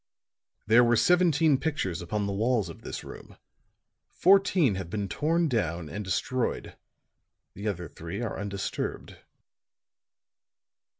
"There were seventeen pictures upon the walls of this room; fourteen have been torn down and destroyed; the other three are undisturbed."